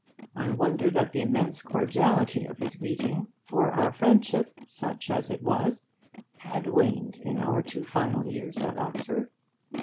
I wondered at the immense cordiality of his greeting; for our friendship, such as it was, had waned in our two final years at Oxford.